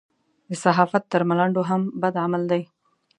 د صحافت تر ملنډو هم بد عمل دی.